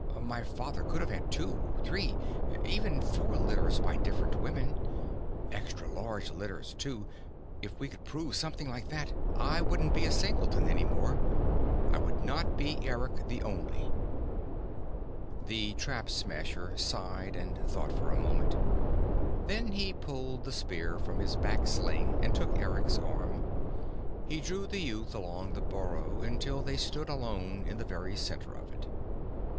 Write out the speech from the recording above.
My father could have had two, three, even four litters by different women. Extra large litters too. If we could prove something like that, I wouldn't be a singleton any more. I would not be Eric the Only." The Trap Smasher sighed and thought for a moment. Then he pulled the spear from his back sling and took Eric's arm. He drew the youth along the burrow until they stood alone in the very center of it.